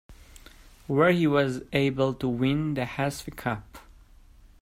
Where he was able to win the Hazfi Cup.